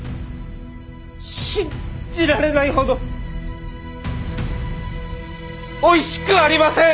信じられないほどおいしくありません！